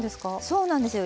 そうなんですよ。